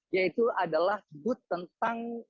yaitu adalah but tentang